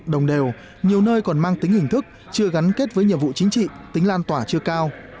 đồng đều nhiều nơi còn mang tính hình thức chưa gắn kết với nhiệm vụ chính trị tính lan tỏa chưa cao